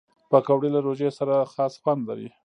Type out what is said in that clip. پکورې له روژې سره خاص خوند لري